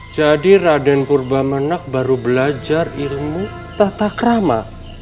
jadi raden purbamenak baru belajar ilmu tathakrama